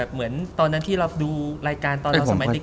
เหมือนตอนที่เราดูรายการตอนเราสมัยนิด